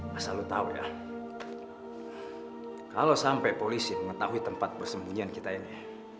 masa lu tau ya kalau sampai polisi mengetahui tempat bersembunyian kita ini